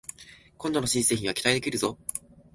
今度の新製品は期待できるぞ